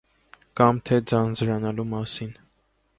Կամ թե - ձանձրանալու մասին: